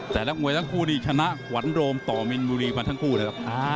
แต่นักมวยทั้งคู่นี่ชนะขวัญโรมต่อมินบุรีมาทั้งคู่เลยครับ